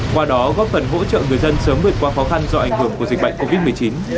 qua đó góp phần hỗ trợ người dân sớm vượt qua khó khăn do ảnh hưởng của dịch vụ